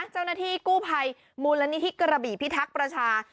เจ้าหน้าที่กู้ภัยมูลนิธิกระบี่พิทักษ์ประชา